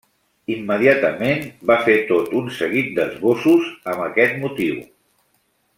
Immediatament va fer tot un seguit d'esbossos amb aquest motiu.